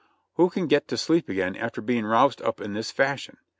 "Who can get to sleep again after being roused up in this fashion?